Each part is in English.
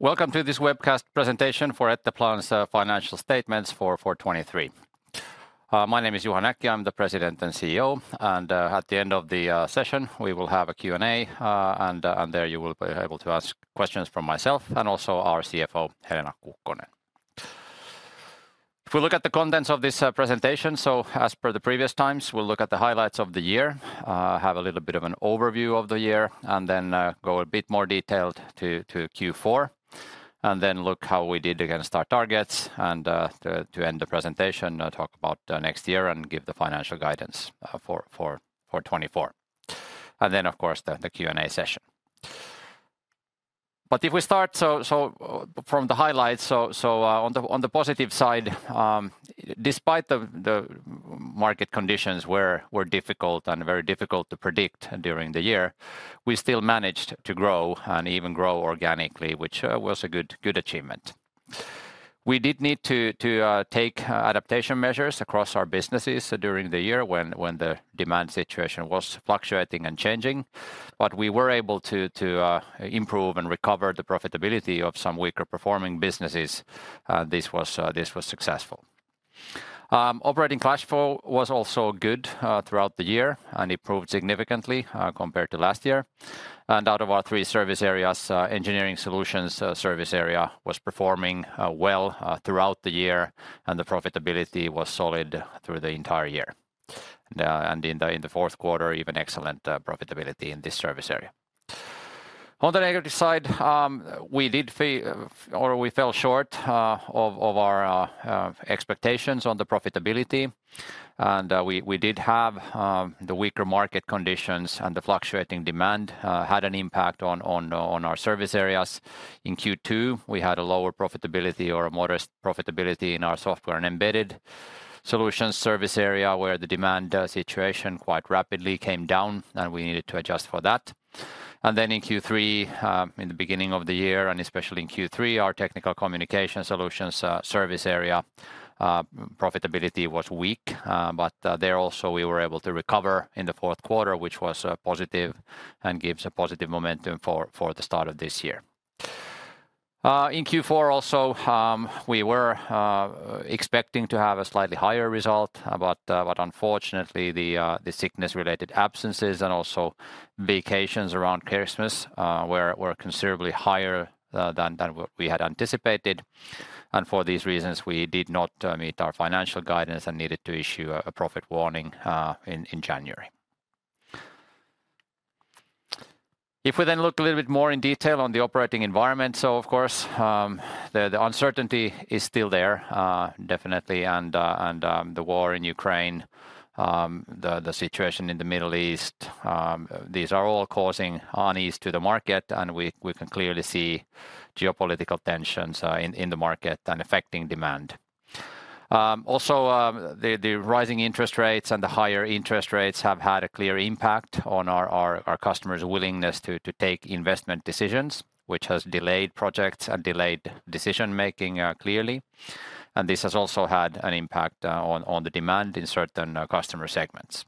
Welcome to this webcast presentation for Etteplan's financial statements for 2023. My name is Juha Näkki, I'm the President and CEO, and at the end of the session, we will have a Q&A, and there you will be able to ask questions from myself and also our CFO, Helena Kukkonen. If we look at the contents of this presentation, so as per the previous times, we'll look at the highlights of the year, have a little bit of an overview of the year, and then go a bit more detailed to Q4. Then look how we did against our targets and to end the presentation, talk about next year and give the financial guidance for 2024. Then, of course, the Q&A session. But if we start from the highlights, so on the positive side, despite the market conditions were difficult and very difficult to predict during the year, we still managed to grow and even grow organically, which was a good achievement. We did need to take adaptation measures across our businesses during the year when the demand situation was fluctuating and changing, but we were able to improve and recover the profitability of some weaker performing businesses, this was successful. Operating cash flow was also good throughout the year and improved significantly compared to last year. And out of our three service areas, Engineering Solutions service area was performing well throughout the year, and the profitability was solid through the entire year. And in the fourth quarter, even excellent profitability in this service area. On the negative side, we fell short of our expectations on the profitability, and we did have the weaker market conditions, and the fluctuating demand had an impact on our service areas. In Q2, we had a lower profitability or a modest profitability in our Software and Embedded Solutions service area, where the demand situation quite rapidly came down, and we needed to adjust for that. And then in Q3, in the beginning of the year and especially in Q3, our Technical Communication Solutions service area profitability was weak, but there also, we were able to recover in the fourth quarter, which was positive and gives a positive momentum for the start of this year. In Q4 also, we were expecting to have a slightly higher result, but unfortunately, the sickness-related absences and also vacations around Christmas were considerably higher than what we had anticipated. And for these reasons, we did not meet our financial guidance and needed to issue a profit warning in January. If we then look a little bit more in detail on the operating environment, so of course, the uncertainty is still there, definitely, and the war in Ukraine, the situation in the Middle East, these are all causing unease to the market, and we can clearly see geopolitical tensions in the market and affecting demand. Also, the rising interest rates and the higher interest rates have had a clear impact on our customers' willingness to take investment decisions, which has delayed projects and delayed decision-making, clearly. And this has also had an impact on the demand in certain customer segments.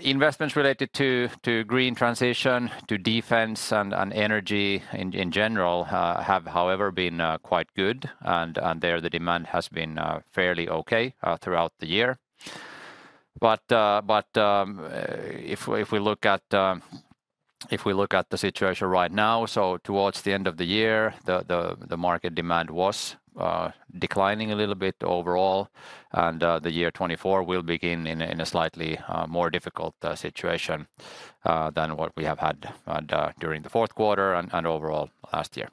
Investments related to Green Transition, to defense, and energy in general have, however, been quite good, and there the demand has been fairly okay throughout the year. But if we look at the situation right now, so towards the end of the year, the market demand was declining a little bit overall, and the year 2024 will begin in a slightly more difficult situation than what we have had during the fourth quarter and overall last year.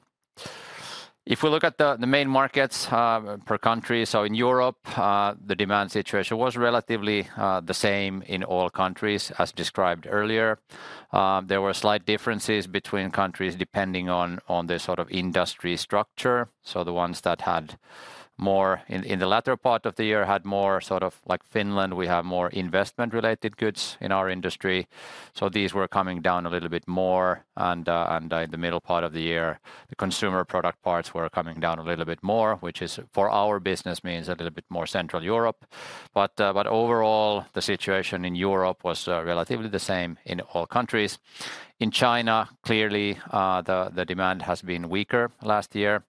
If we look at the main markets per country, so in Europe, the demand situation was relatively the same in all countries as described earlier. There were slight differences between countries, depending on the sort of industry structure. So the ones that had more in the latter part of the year had more sort of like Finland; we have more investment-related goods in our industry, so these were coming down a little bit more. And in the middle part of the year, the consumer product parts were coming down a little bit more, which is, for our business, means a little bit more Central Europe. But overall, the situation in Europe was relatively the same in all countries. In China, clearly, the demand has been weaker last year.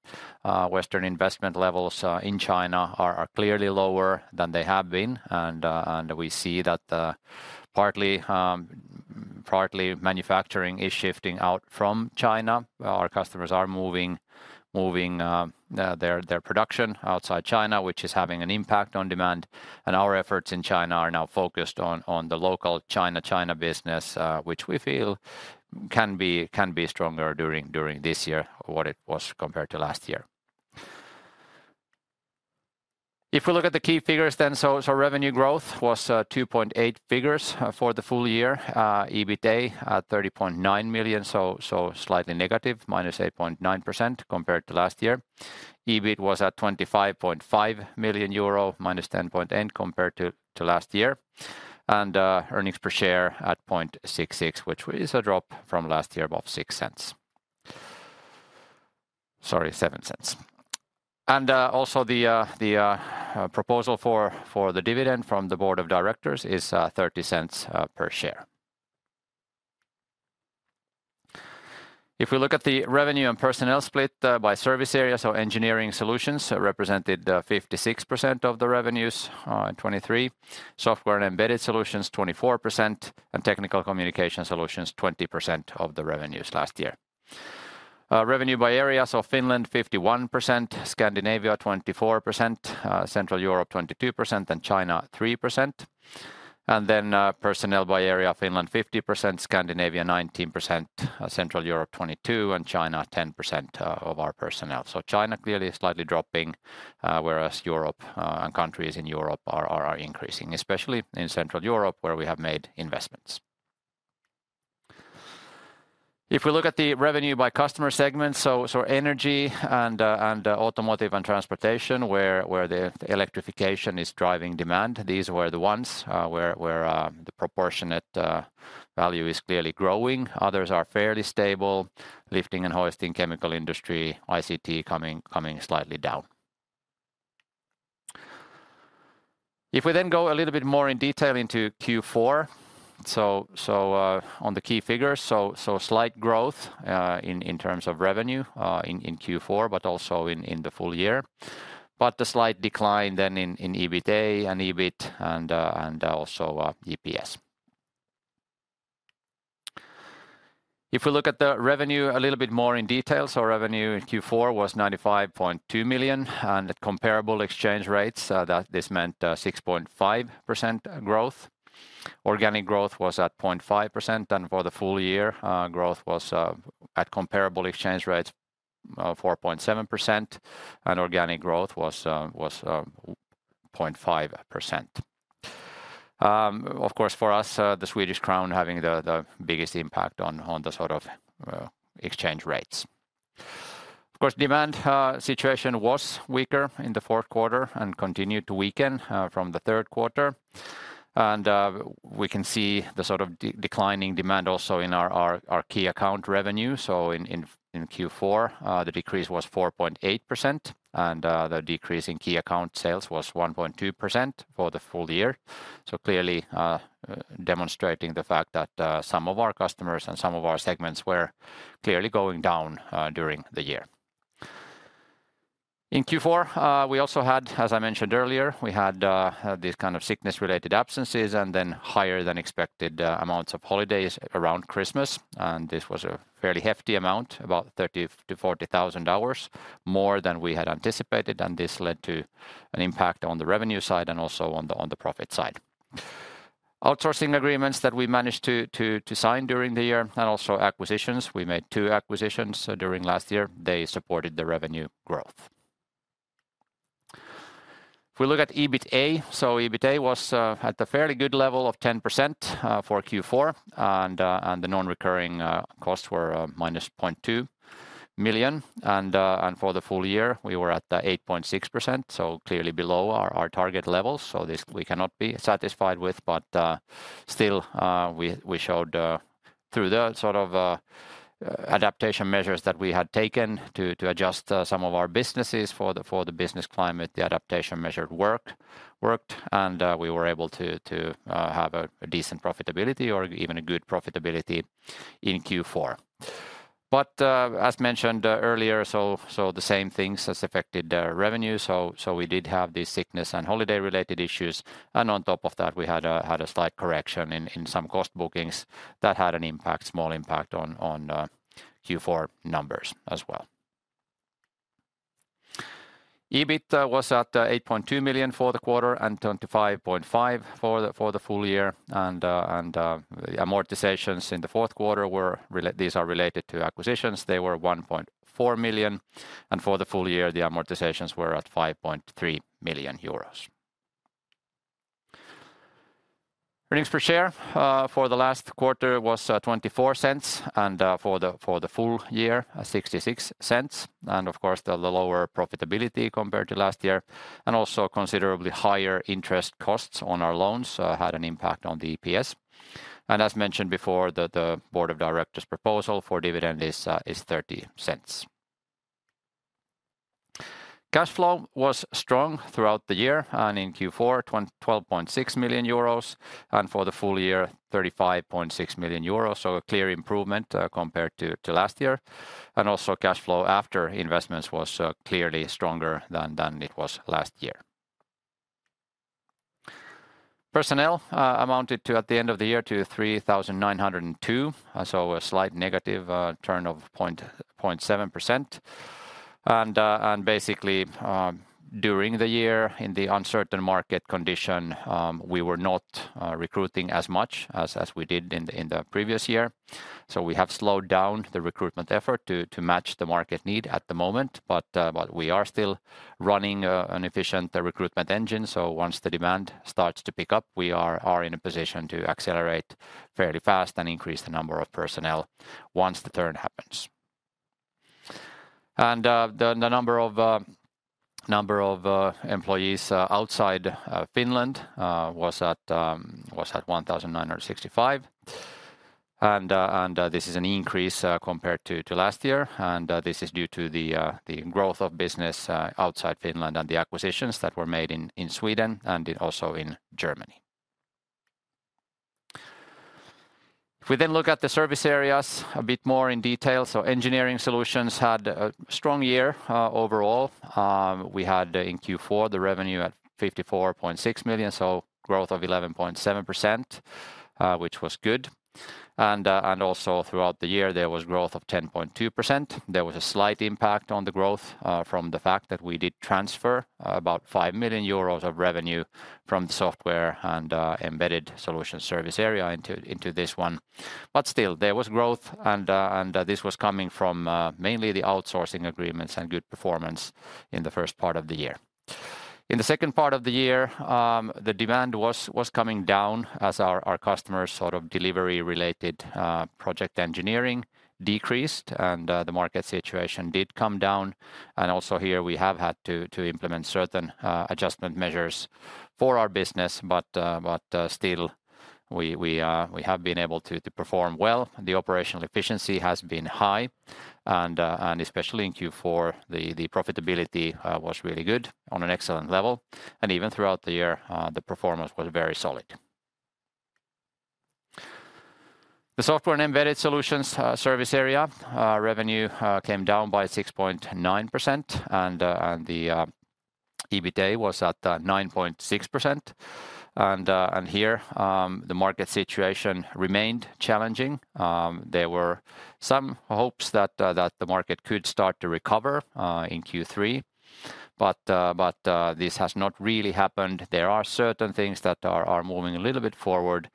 Western investment levels in China are clearly lower than they have been, and we see that partly manufacturing is shifting out from China. Our customers are moving their production outside China, which is having an impact on demand. Our efforts in China are now focused on the local China business, which we feel can be stronger during this year than it was compared to last year. If we look at the key figures then, revenue growth was 2.8% for the full year. EBITA 30.9 million, slightly negative, -8.9% compared to last year. EBIT was at 25.5 million euro, -10.8% compared to last year. Earnings per share at 0.66, which is a drop from last year of about six cents, sorry, seven cents. Also the proposal for the dividend from the board of directors is 0.30 per share. If we look at the revenue and personnel split by service areas, so Engineering Solutions represented 56% of the revenues in 2023. Software and Embedded Solutions, 24%, and Technical Communication Solutions, 20% of the revenues last year. Revenue by areas of Finland, 51%, Scandinavia, 24%, Central Europe, 22%, and China, 3%. And then, personnel by area: Finland, 50%, Scandinavia, 19%, Central Europe, 22%, and China, 10% of our personnel. So China clearly is slightly dropping, whereas Europe and countries in Europe are increasing, especially in Central Europe, where we have made investments. If we look at the revenue by customer segments, energy and automotive and transportation, where the electrification is driving demand, these were the ones where the proportionate value is clearly growing. Others are fairly stable, lifting and hoisting chemical industry, ICT coming slightly down. If we then go a little bit more in detail into Q4, on the key figures, slight growth in terms of revenue in Q4, but also in the full year, but a slight decline then in EBITDA and EBIT and also EPS. If we look at the revenue a little bit more in detail, revenue in Q4 was 95.2 million, and at comparable exchange rates, that meant 6.5% growth. Organic growth was at 0.5%, and for the full year, growth was at comparable exchange rates 4.7%, and organic growth was 0.5%. Of course, for us, the Swedish crown having the biggest impact on the sort of exchange rates. Of course, demand situation was weaker in the fourth quarter and continued to weaken from the third quarter. And we can see the sort of declining demand also in our key account revenue. So in Q4, the decrease was 4.8%, and the decrease in key account sales was 1.2% for the full year. So clearly, demonstrating the fact that, some of our customers and some of our segments were clearly going down, during the year. In Q4, we also had, as I mentioned earlier, we had these kind of sickness-related absences and then higher than expected, amounts of holidays around Christmas, and this was a fairly hefty amount, about 30,000-40,000 hours, more than we had anticipated, and this led to an impact on the revenue side and also on the profit side. Outsourcing agreements that we managed to sign during the year and also acquisitions, we made two acquisitions, during last year. They supported the revenue growth. If we look at EBITA, so EBITA was at a fairly good level of 10% for Q4, and the non-recurring costs were minus 0.2 million. And for the full year, we were at the 8.6%, so clearly below our target levels. So this we cannot be satisfied with, but still, we showed through the sort of adaptation measures that we had taken to adjust some of our businesses for the business climate, the adaptation measures worked, and we were able to have a decent profitability or even a good profitability in Q4. But, as mentioned earlier, so the same things has affected the revenue. So, we did have the sickness and holiday-related issues, and on top of that, we had a slight correction in some cost bookings that had an impact, small impact on Q4 numbers as well. EBIT was at 8.2 million for the quarter and 25.5 million for the full year. And the amortizations in the fourth quarter were related to acquisitions. They were 1.4 million, and for the full year, the amortizations were at 5.3 million euros. Earnings per share for the last quarter was 0.24, and for the full year, 0.66. And of course, the lower profitability compared to last year, and also considerably higher interest costs on our loans had an impact on the EPS. As mentioned before, the board of directors' proposal for dividend is 0.30. Cash flow was strong throughout the year, and in Q4, 12.6 million euros, and for the full year, 35.6 million euros, so a clear improvement compared to last year. Also, cash flow after investments was clearly stronger than it was last year. Personnel amounted to at the end of the year to 3,902, so a slight negative turn of 0.7%. Basically, during the year, in the uncertain market condition, we were not recruiting as much as we did in the previous year. So we have slowed down the recruitment effort to match the market need at the moment, but we are still running an efficient recruitment engine. So once the demand starts to pick up, we are in a position to accelerate fairly fast and increase the number of personnel once the turn happens. And the number of employees outside Finland was at 1,965. This is an increase compared to last year, and this is due to the growth of business outside Finland and the acquisitions that were made in Sweden and also in Germany. If we then look at the service areas a bit more in detail, so Engineering Solutions had a strong year overall. We had in Q4, the revenue at 54.6 million, so growth of 11.7%, which was good. And also throughout the year there was growth of 10.2%. There was a slight impact on the growth, from the fact that we did transfer about 5 million euros of revenue from the Software and Embedded Solutions service area into this one. But still, there was growth and this was coming from mainly the outsourcing agreements and good performance in the first part of the year. In the second part of the year, the demand was coming down as our customers sort of delivery-related project engineering decreased, and the market situation did come down. Also here we have had to implement certain adjustment measures for our business, but still, we have been able to perform well. The operational efficiency has been high, and especially in Q4, the profitability was really good on an excellent level, and even throughout the year, the performance was very solid. The Software and Embedded Solutions service area revenue came down by 6.9%, and the EBITDA was at 9.6%. And here, the market situation remained challenging. There were some hopes that the market could start to recover in Q3, but this has not really happened. There are certain things that are moving a little bit forward,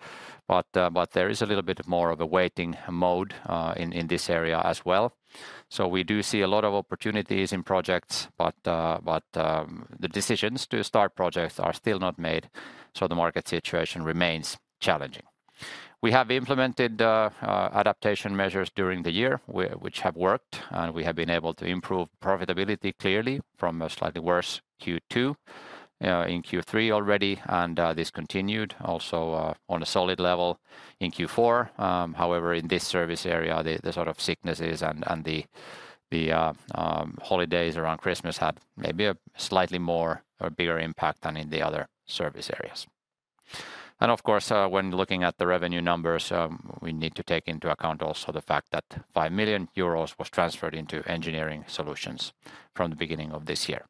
but there is a little bit more of a waiting mode in this area as well. So we do see a lot of opportunities in projects, but the decisions to start projects are still not made, so the market situation remains challenging. We have implemented adaptation measures during the year, which have worked, and we have been able to improve profitability clearly from a slightly worse Q2 in Q3 already, and this continued also on a solid level in Q4. However, in this service area, the sort of sicknesses and the holidays around Christmas had maybe a slightly more or bigger impact than in the other service areas. Of course, when looking at the revenue numbers, we need to take into account also the fact that 5 million euros was transferred into Engineering Solutions from the beginning of this year.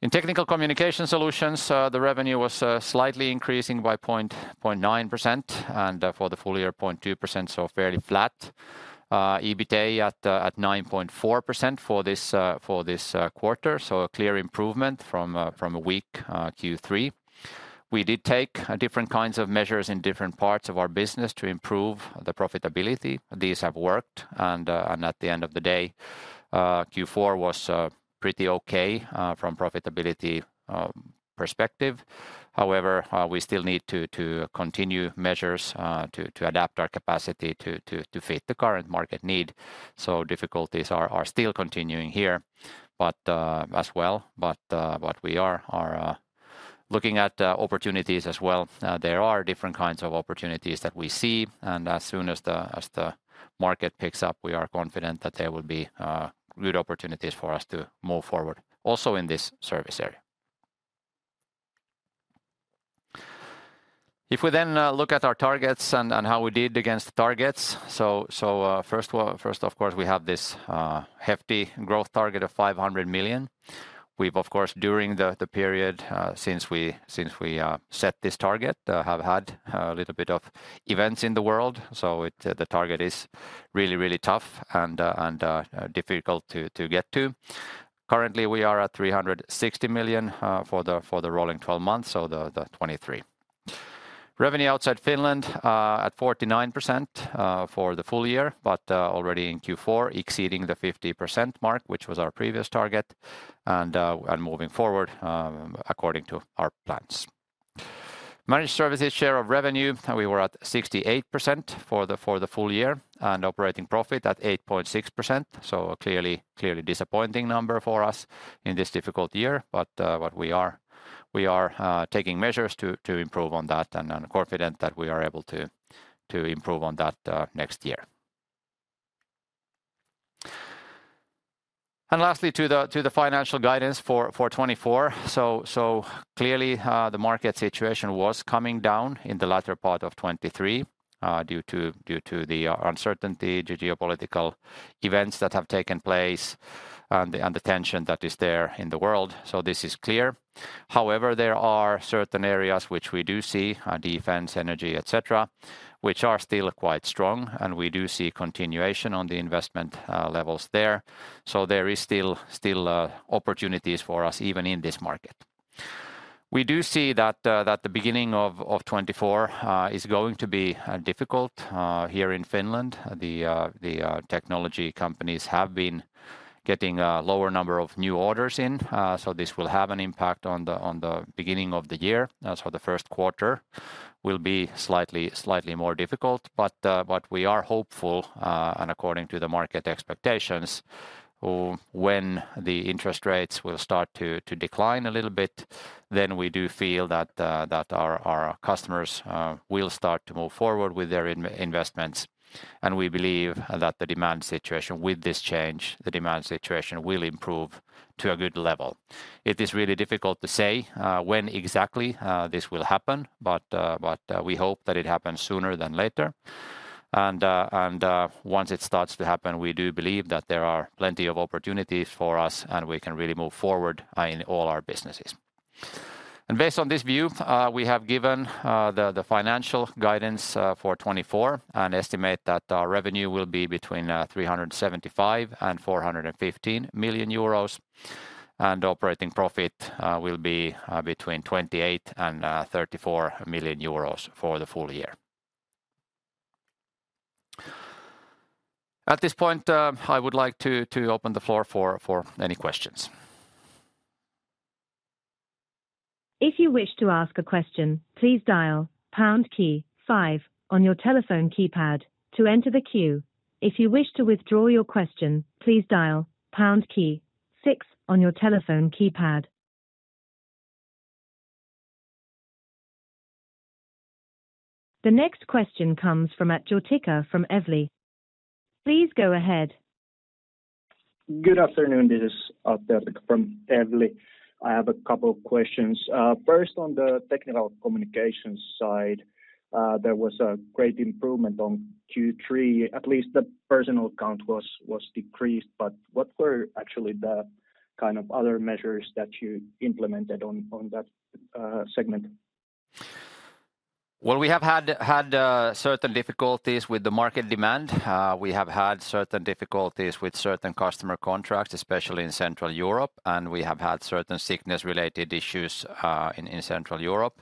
In Technical Communication Solutions, the revenue was slightly increasing by 0.9%, and for the full year, 0.2%, so fairly flat. EBITDA at 9.4% for this quarter, so a clear improvement from a weak Q3. We did take different kinds of measures in different parts of our business to improve the profitability. These have worked, and at the end of the day, Q4 was pretty okay from profitability perspective. However, we still need to continue measures to adapt our capacity to fit the current market need. So difficulties are still continuing here, but as well. But we are looking at opportunities as well. There are different kinds of opportunities that we see, and as soon as the market picks up, we are confident that there will be good opportunities for us to move forward also in this service area. If we then look at our targets and how we did against the targets, so first of course, we have this hefty growth target of 500 million. We've, of course, during the period since we set this target, have had a little bit of events in the world, so the target is really, really tough and difficult to get to. Currently, we are at 360 million for the rolling twelve months, so 2023. Revenue outside Finland at 49% for the full year, but already in Q4, exceeding the 50% mark, which was our previous target, and moving forward according to our plans. Managed services share of revenue, we were at 68% for the full year, and operating profit at 8.6%. So clearly disappointing number for us in this difficult year, but we are taking measures to improve on that and confident that we are able to improve on that next year. And lastly, to the financial guidance for 2024. So clearly the market situation was coming down in the latter part of 2023 due to the uncertainty, the geopolitical events that have taken place, and the tension that is there in the world. So this is clear. However, there are certain areas which we do see defense, energy, et cetera, which are still quite strong, and we do see continuation on the investment levels there. So there is still opportunities for us, even in this market. We do see that the beginning of 2024 is going to be difficult. Here in Finland, the technology companies have been getting a lower number of new orders in, so this will have an impact on the beginning of the year. As for the first quarter, will be slightly more difficult, but we are hopeful, and according to the market expectations, when the interest rates will start to decline a little bit, then we do feel that our customers will start to move forward with their investments. And we believe that the demand situation, with this change, the demand situation will improve to a good level. It is really difficult to say when exactly this will happen, but we hope that it happens sooner than later. Once it starts to happen, we do believe that there are plenty of opportunities for us, and we can really move forward in all our businesses. Based on this view, we have given the financial guidance for 2024, and estimate that our revenue will be between 375 million and 415 million euros. Operating profit will be between 28 million and 34 million euros for the full year. At this point, I would like to open the floor for any questions. If you wish to ask a question, please dial pound key five on your telephone keypad to enter the queue. If you wish to withdraw your question, please dial pound key six on your telephone keypad. The next question comes from Atte Jortikka from Evli. Please go ahead. Good afternoon, this is Atte Jortikka from Evli. I have a couple of questions. First, on the technical communications side, there was a great improvement on Q3. At least the personnel account was decreased, but what were actually the kind of other measures that you implemented on, on that segment? Well, we have had certain difficulties with the market demand. We have had certain difficulties with certain customer contracts, especially in Central Europe, and we have had certain sickness-related issues in Central Europe.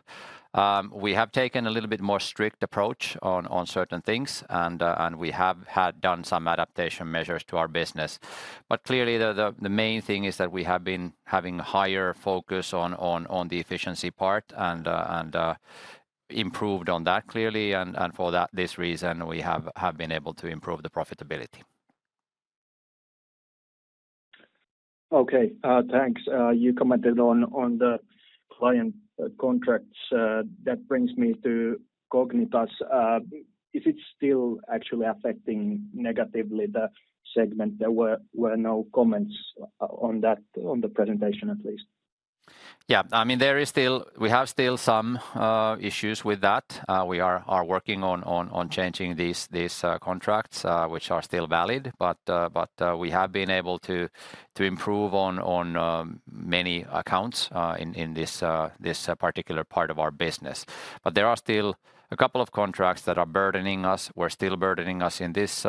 We have taken a little bit more strict approach on certain things, and we have had done some adaptation measures to our business. But clearly, the main thing is that we have been having higher focus on the efficiency part and improved on that clearly, and for that this reason, we have been able to improve the profitability. Okay, thanks. You commented on the client contracts that brings me to Cognitas. Is it still actually affecting negatively the segment? There were no comments on that on the presentation, at least. Yeah, I mean, there is still, we have still some issues with that. We are working on changing these contracts, which are still valid, but we have been able to improve on many accounts in this particular part of our business. But there are still a couple of contracts that are burdening us, were still burdening us in this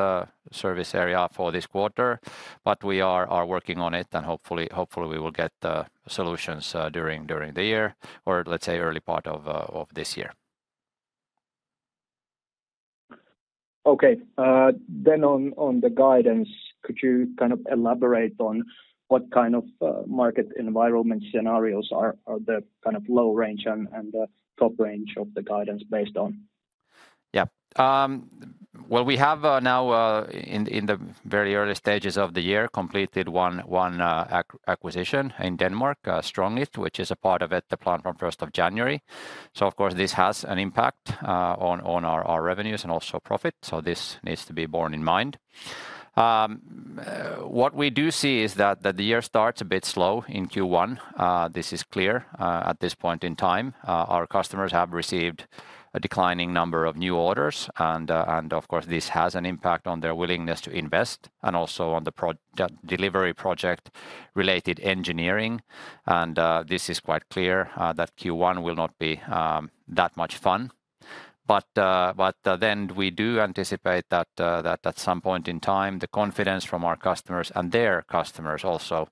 service area for this quarter, but we are working on it, and hopefully we will get the solutions during the year, or let's say, early part of this year. Okay. Then on the guidance, could you kind of elaborate on what kind of market environment scenarios are the kind of low range and the top range of the guidance based on? Yeah. Well, we have now, in the very early stages of the year, completed one acquisition in Denmark, STRONGIT, which is a part of Etteplan from the first of January. So of course, this has an impact on our revenues and also profit, so this needs to be borne in mind. What we do see is that the year starts a bit slow in Q1. This is clear at this point in time. Our customers have received a declining number of new orders, and of course, this has an impact on their willingness to invest, and also on the project delivery related engineering. This is quite clear that Q1 will not be that much fun. But then we do anticipate that at some point in time, the confidence from our customers and their customers also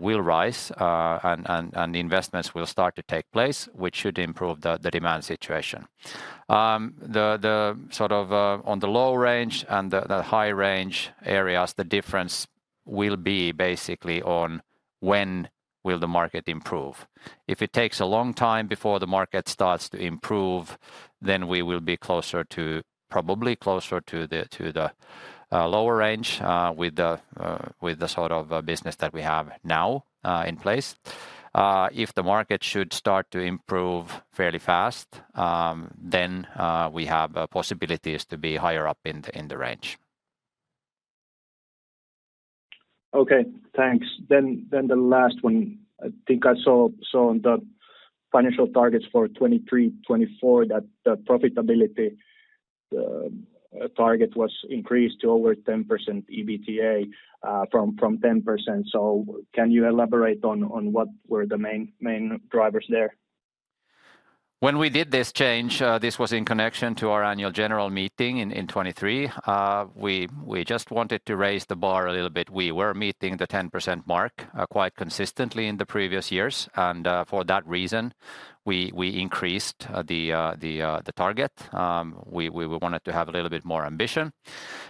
will rise, and investments will start to take place, which should improve the demand situation. The sort of on the low range and the high range areas, the difference will be basically on when will the market improve. If it takes a long time before the market starts to improve, then we will be closer to, probably closer to the lower range, with the sort of business that we have now in place. If the market should start to improve fairly fast, then we have possibilities to be higher up in the range. Okay, thanks. Then the last one. I think I saw on the financial targets for 2023, 2024, that the profitability target was increased to over 10% EBITDA from 10%. So can you elaborate on what were the main drivers there? When we did this change, this was in connection to our annual general meeting in 2023. We just wanted to raise the bar a little bit. We were meeting the 10% mark quite consistently in the previous years, and for that reason, we increased the target. We wanted to have a little bit more ambition.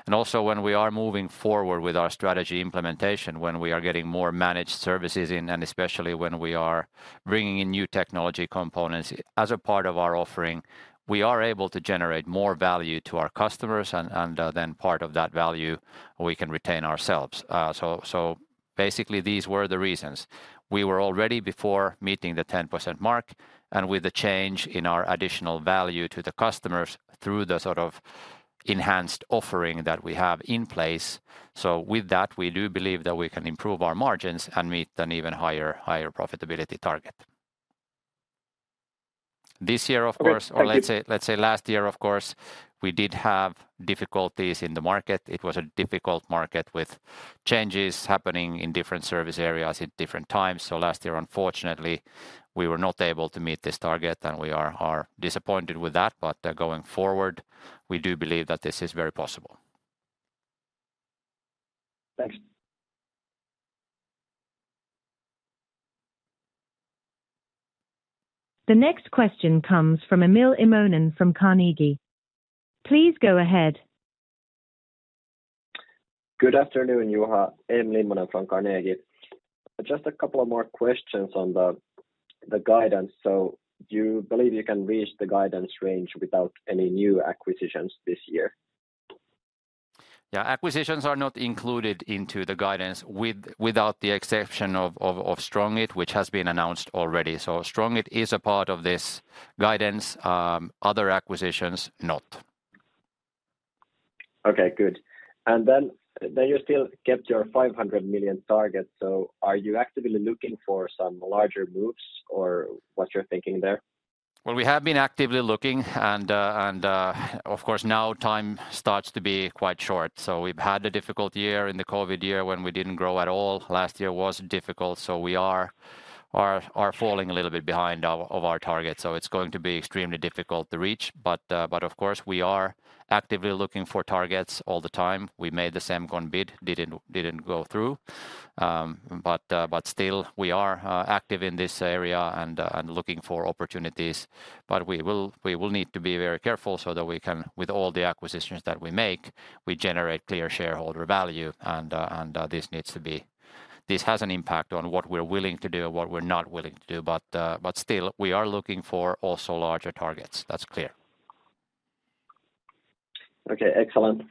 And also, when we are moving forward with our strategy implementation, when we are getting more managed services in, and especially when we are bringing in new technology components as a part of our offering, we are able to generate more value to our customers, and then part of that value we can retain ourselves. So basically, these were the reasons. We were already before meeting the 10% mark, and with the change in our additional value to the customers through the sort of enhanced offering that we have in place. So with that, we do believe that we can improve our margins and meet an even higher, higher profitability target. This year, of course- Okay, thank you. Or let's say, let's say last year, of course, we did have difficulties in the market. It was a difficult market with changes happening in different service areas at different times. So last year, unfortunately, we were not able to meet this target, and we are disappointed with that. But, going forward, we do believe that this is very possible. Thanks. The next question comes from Emil Immonen from Carnegie. Please go ahead. Good afternoon, Juha. Emil Immonen from Carnegie. Just a couple of more questions on the guidance. So do you believe you can reach the guidance range without any new acquisitions this year? Yeah, acquisitions are not included into the guidance, without the exception of STRONGIT, which has been announced already. So STRONGIT is a part of this guidance, other acquisitions, not. Okay, good. And then, then you still kept your 500 million target. So are you actively looking for some larger moves or what's your thinking there? Well, we have been actively looking, and of course, now time starts to be quite short. So we've had a difficult year in the COVID year when we didn't grow at all. Last year was difficult, so we are falling a little bit behind of our target. So it's going to be extremely difficult to reach, but of course, we are actively looking for targets all the time. We made the Semcon bid, didn't go through. But still we are active in this area and looking for opportunities. But we will need to be very careful so that we can... With all the acquisitions that we make, we generate clear shareholder value, and, and this needs to be—this has an impact on what we're willing to do and what we're not willing to do. But, but still, we are looking for also larger targets. That's clear. Okay, excellent.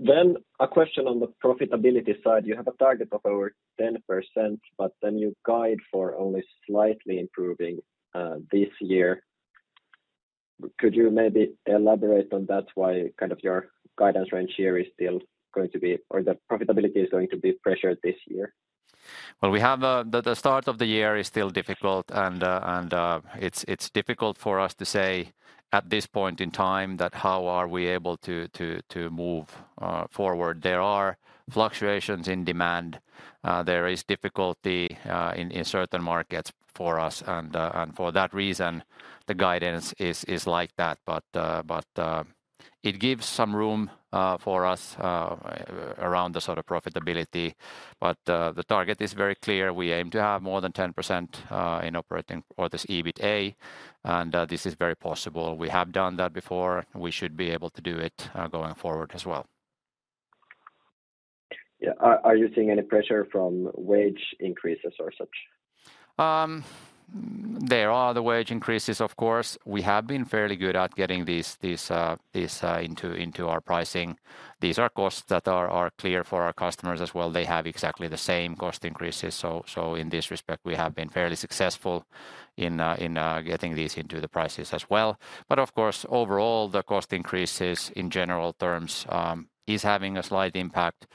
Then a question on the profitability side. You have a target of over 10%, but then you guide for only slightly improving this year. Could you maybe elaborate on that, why kind of your guidance range here is still going to be, or the profitability is going to be pressured this year? Well, we have the start of the year is still difficult, and it's difficult for us to say at this point in time that how we are able to move forward. There are fluctuations in demand. There is difficulty in certain markets for us, and for that reason, the guidance is like that. But it gives some room for us around the sort of profitability. But the target is very clear. We aim to have more than 10% in operating or this EBITA, and this is very possible. We have done that before. We should be able to do it going forward as well. Yeah. Are you seeing any pressure from wage increases or such? There are the wage increases, of course. We have been fairly good at getting these into our pricing. These are costs that are clear for our customers as well. They have exactly the same cost increases. So in this respect, we have been fairly successful in getting these into the prices as well. But of course, overall, the cost increases in general terms is having a slight impact.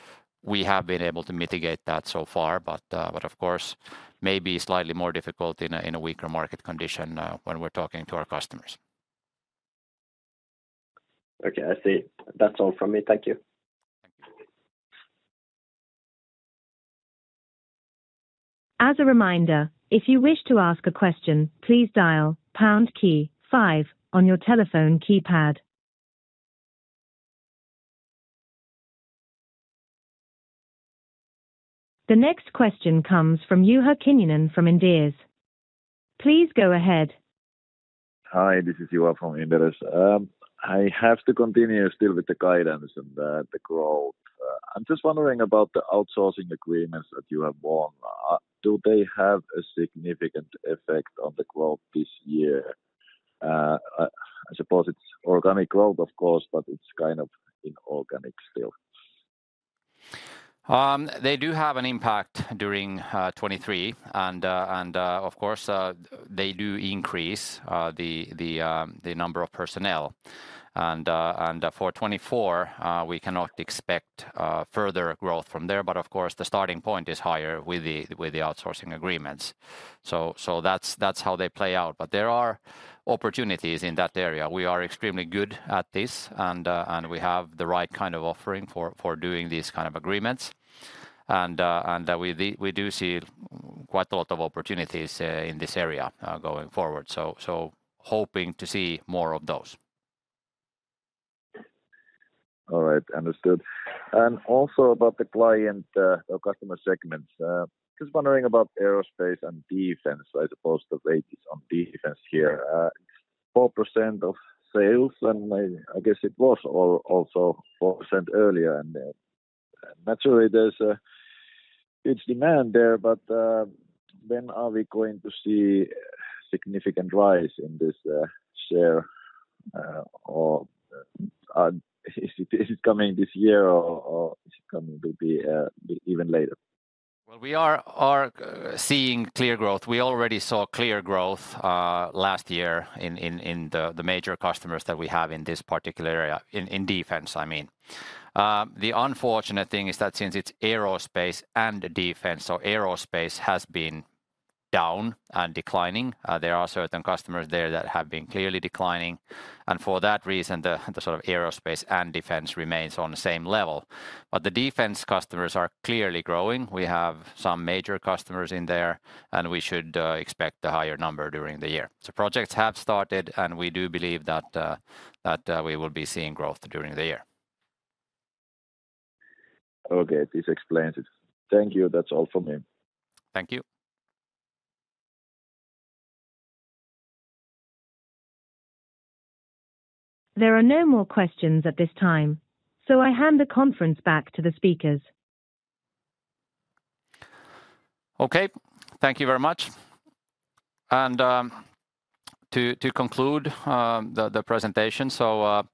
We have been able to mitigate that so far, but of course, may be slightly more difficult in a weaker market condition when we're talking to our customers. Okay, I see. That's all from me. Thank you. As a reminder, if you wish to ask a question, please dial pound key five on your telephone keypad. The next question comes from Juha Kinnunen from Inderes. Please go ahead. Hi, this is Juha from Inderes. I have to continue still with the guidance and the growth. I'm just wondering about the outsourcing agreements that you have won. Do they have a significant effect on the growth this year? I suppose it's organic growth, of course, but it's kind of inorganic still. They do have an impact during 2023, and of course they do increase the number of personnel. And for 2024, we cannot expect further growth from there, but of course, the starting point is higher with the outsourcing agreements. So that's how they play out. But there are opportunities in that area. We are extremely good at this, and we have the right kind of offering for doing these kind of agreements. And we do see quite a lot of opportunities in this area going forward. So hoping to see more of those. All right. Understood. And also about the client or customer segments. Just wondering about aerospace and defense, I suppose the weight is on defense here. 4% of sales, and I guess it was also 4% earlier, and naturally, there's a huge demand there, but when are we going to see significant rise in this share? Or is it coming this year or is it coming to be even later? Well, we are seeing clear growth. We already saw clear growth last year in the major customers that we have in this particular area, in defense, I mean. The unfortunate thing is that since it's aerospace and defense, so aerospace has been down and declining, there are certain customers there that have been clearly declining. And for that reason, the sort of aerospace and defense remains on the same level. But the defense customers are clearly growing. We have some major customers in there, and we should expect a higher number during the year. So projects have started, and we do believe that we will be seeing growth during the year. Okay, this explains it. Thank you. That's all from me. Thank you. There are no more questions at this time, so I hand the conference back to the speakers. Okay, thank you very much. And to conclude the presentation. So,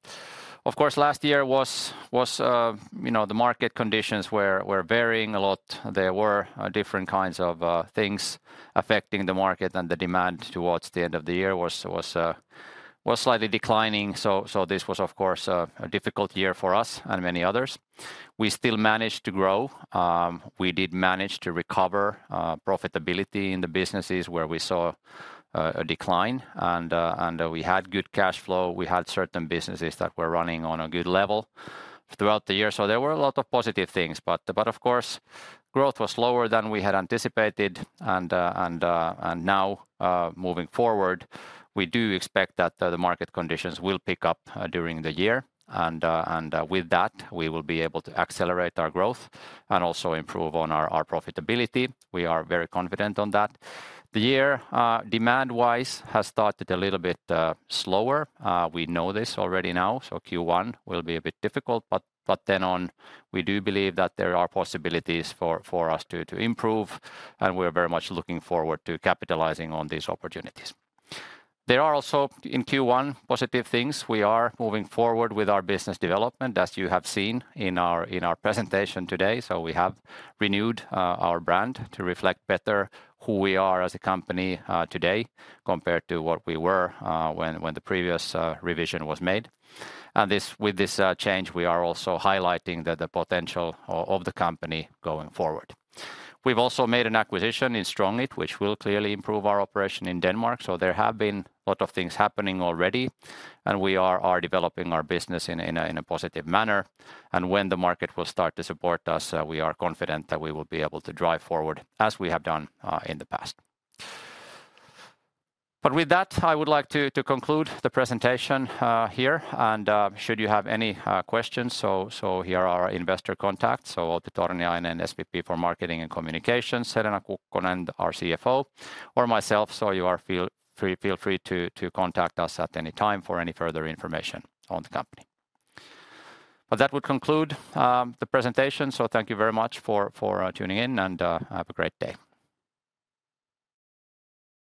of course, last year was, you know, the market conditions were varying a lot. There were different kinds of things affecting the market, and the demand towards the end of the year was slightly declining. So, this was of course a difficult year for us and many others. We still managed to grow. We did manage to recover profitability in the businesses where we saw a decline, and we had good cash flow. We had certain businesses that were running on a good level throughout the year, so there were a lot of positive things. But of course, growth was slower than we had anticipated, and now, moving forward, we do expect that the market conditions will pick up during the year. And with that, we will be able to accelerate our growth and also improve on our profitability. We are very confident on that. The year, demand-wise, has started a little bit slower. We know this already now, so Q1 will be a bit difficult. But then on, we do believe that there are possibilities for us to improve, and we're very much looking forward to capitalizing on these opportunities. There are also, in Q1, positive things. We are moving forward with our business development, as you have seen in our presentation today. So we have renewed our brand to reflect better who we are as a company today compared to what we were when the previous revision was made. And with this change, we are also highlighting the potential of the company going forward. We've also made an acquisition in STRONGIT, which will clearly improve our operation in Denmark, so there have been a lot of things happening already, and we are developing our business in a positive manner. And when the market will start to support us, we are confident that we will be able to drive forward as we have done in the past. But with that, I would like to conclude the presentation here. And should you have any questions, so here are our investor contacts. So Outi Torniainen, SVP, Marketing and Communications, Helena Kukkonen, our CFO, or myself. So you feel free to contact us at any time for any further information on the company. But that would conclude the presentation, so thank you very much for tuning in, and have a great day!